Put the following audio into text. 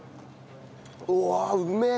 うわあうめえ！